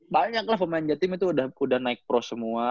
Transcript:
banyak lah pemain jatim itu udah naik pros semua